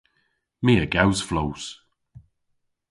My a gews flows!